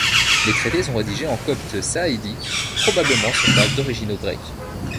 Les traités sont rédigés en copte sahidique, probablement sur base d'originaux grecs.